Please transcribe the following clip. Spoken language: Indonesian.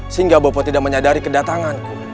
sehingga bopo tidak menyadari kedatanganku